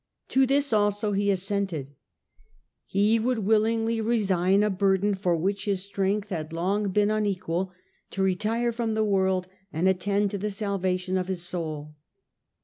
To this also he assented :' he would willingly resign a burden for which his strength had long been unequal, to retire from the world and attend to the salvation of his soul.'